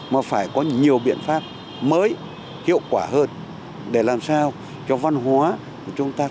mà phải có nhiều biện pháp mới hiệu quả hơn để làm sao cho văn hóa của chúng ta